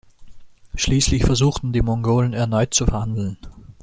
Schließlich versuchten die Mongolen erneut zu verhandeln.